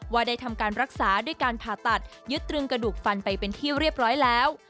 ว่าได้ทำการรักษาด้วยการผ่าตัดยึดตรึงกระดูกฟันไปเป็นที่เรียบร้อยแล้ว